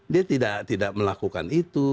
dia tidak melakukan itu